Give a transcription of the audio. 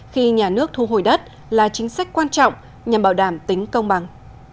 khi nhà nước thu hồi đất là chính sách quan trọng nhằm bảo đảm tính công bằng